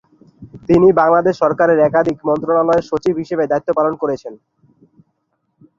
তিনি বাংলাদেশ সরকারের একাধিক মন্ত্রণালয়ের সচিব হিসাবে দায়িত্ব পালন করেছেন।